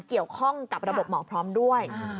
เกี่ยวข้องกับระบบหมอพร้อมด้วย